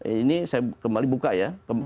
ini saya kembali buka ya